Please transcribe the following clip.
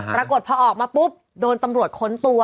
ปรากฏพอออกมาปุ๊บโดนตำรวจค้นตัว